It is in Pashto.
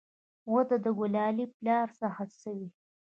وه د ګلالي پلاره څه سوې.